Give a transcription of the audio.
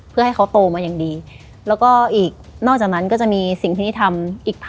เพื่อให้เขาโตมาอย่างดีแล้วก็อีก